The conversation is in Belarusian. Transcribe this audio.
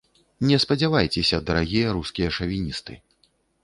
Не спадзявайцеся, дарагія рускія шавіністы.